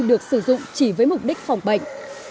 được sử dụng chỉ với mục đích phòng bệnh